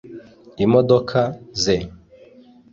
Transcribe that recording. imodoka ze